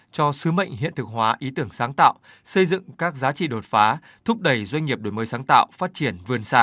cho sứ mệnh hiện thực hóa ý tưởng sáng tạo xây dựng các giá trị đột phá thúc đẩy doanh nghiệp đổi mới sáng tạo phát triển